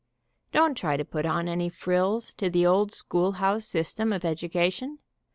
Don't try to put on any frills to the old school house system of education.